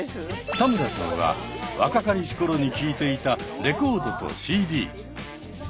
田村さんは若かりし頃に聴いていたレコードとＣＤ。